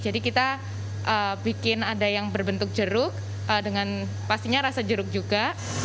jadi kita bikin ada yang berbentuk jeruk dengan pastinya rasa jeruk juga